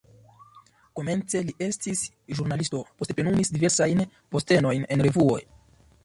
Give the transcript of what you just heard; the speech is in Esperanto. Komence li estis ĵurnalisto, poste plenumis diversajn postenojn en revuoj.